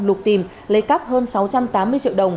lục tìm lấy cắp hơn sáu trăm tám mươi triệu đồng